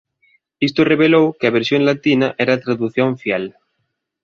Isto revelou que a versión latina era tradución fiel.